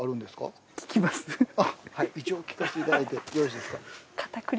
はい一応聞かせていただいてよろしいですか？